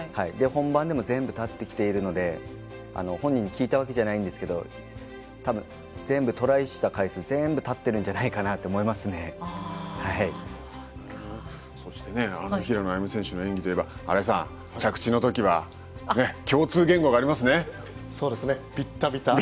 本番でも全部立ってきているので本人に聞いたわけじゃないんですけれどたぶん、全部トライした回数全部立っているんじゃないかなそして平野歩夢選手の演技といえば新井さん着地のときは共通言語がありますね。